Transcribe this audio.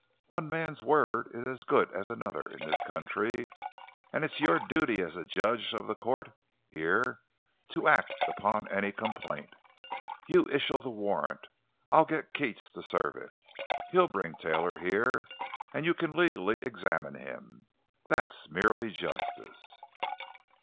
One man's word is as good as another's in this country; and it's your duty as a judge of the court, here, to act upon any complaint. You issue the warrant. I'll get Keats to serve it. He'll bring Taylor here, and you can legally examine him. That's merely justice!"